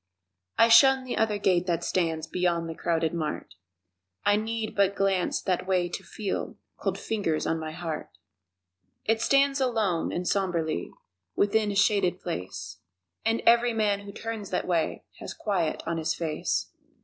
I shun the other gate that stands Beyond the crowded mart I need but glance that way to feel Cold fingers on my heart! It stands alone and somberly Within a shaded place, And every man who turns that way Has quiet on his face.